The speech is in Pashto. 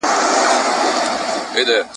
د بهرنیو تګلاري ارزونه منظم نه ده.